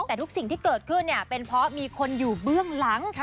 แต่ทุกสิ่งที่เกิดขึ้นเป็นเพราะมีคนอยู่เบื้องหลัง